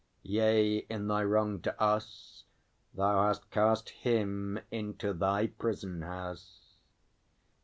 Yea, in thy wrong to us, Thou hast cast Him into thy prison house!